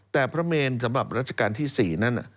แต่พระเมนสำหรับรัชกาลที่๔นั่น